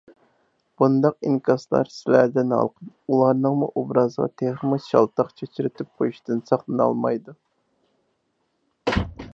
بۇنداق ئىنكاسلار سىلەردىن ھالقىپ ئۇلارنىڭمۇ ئوبرازىغا تېخىمۇ شالتاق چاچرىتىپ قويۇشتىن ساقلىنالمايدۇ.